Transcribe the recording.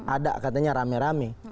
ada katanya rame rame